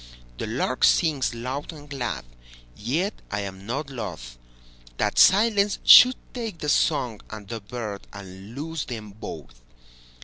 The lark sings loud and glad, Yet I am not lothThat silence should take the song and the birdAnd lose them both.